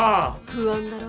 不安だろ？